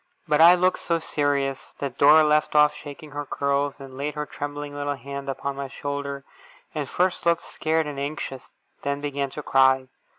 But I looked so serious, that Dora left off shaking her curls, and laid her trembling little hand upon my shoulder, and first looked scared and anxious, then began to cry.